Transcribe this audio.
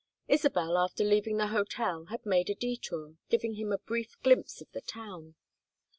Isabel, after leaving the hotel had made a detour, giving him a brief glimpse of the town.